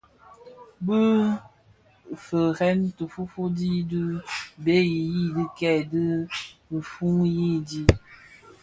Bi difeërèn tuutubi di bhee yi dhikèè dhi diifuyi di.